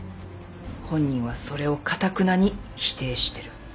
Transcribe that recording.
本人はそれをかたくなに否定してる。